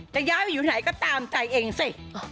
ย้ายไปอยู่ไหนก็ตามใจเองสิ